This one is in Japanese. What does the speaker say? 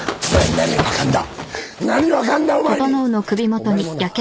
何が分かんだ！？